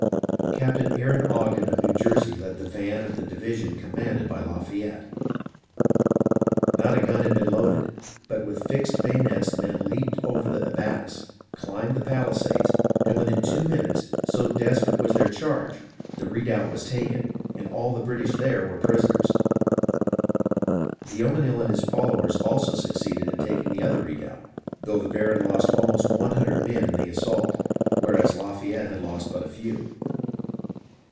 Captain Aaron Ogden of New Jersey led the van of the division commanded by Lafayette. Not a gun had been loaded, but with fixed bayonets the men leaped over the abatis, climbed the palisades, and within two minutes, so desperate was their charge, the redoubt was taken and all the British there were prisoners. Viomenil and his followers also succeeded in taking the other redoubt, though the Baron lost almost one hundred men in the assault, whereas Lafayette had lost but a few.